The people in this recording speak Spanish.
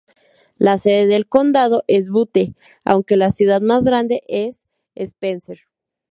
La sede del condado es Butte aunque la ciudad más grande es Spencer.